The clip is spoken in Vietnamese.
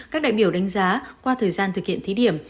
các đại biểu đánh giá qua thời gian thực hiện thí điểm